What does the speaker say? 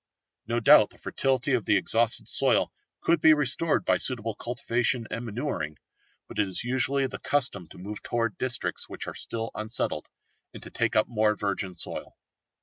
No doubt the fertility of the exhausted soil could be restored by suitable cultivation and manuring, but it is usually the custom to move towards districts which are still unsettled, and to take up more virgin soil.